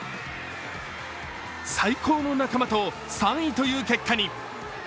最高の仲間と３位という結果に。